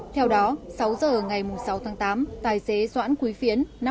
theo đó sáu giờ ngày sáu tháng tám tài xế doãn quý phiến